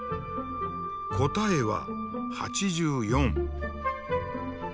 答えは８４。